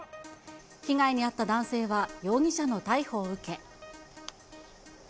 被害に遭った男性は、容疑者の逮捕を受け。